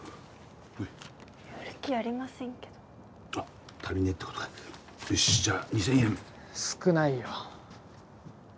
はい売る気ありませんけど足りねえってことかよしじゃあ２千円少ないよ